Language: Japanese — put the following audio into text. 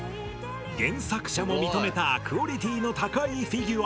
原作者も認めたクオリティーの高いフィギュア。